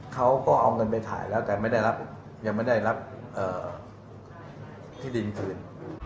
เขาก็เอาเงินไปถ่ายแล้วแต่ยังไม่ได้รับที่ดินคืน